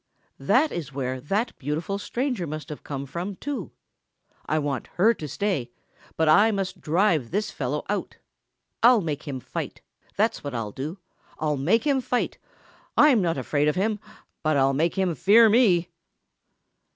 That is where that beautiful stranger must have come from, too. I want her to stay, but I must drive this fellow out. I'll make him fight. That's what I'll do; I'll make him fight! I'm not afraid of him, but I'll make him fear me."